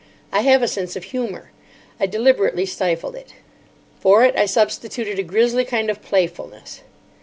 I have a sense of humour. I deliberately stifled it. For it I substituted a grisly kind of playfulness.